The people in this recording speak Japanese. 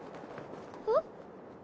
えっ？